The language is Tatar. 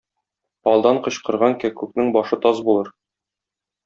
Алдан кычкырган кәккүкнең башы таз булыр.